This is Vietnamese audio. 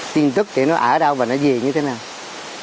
tin tức thì nó ở đâu và nó gì như thế nào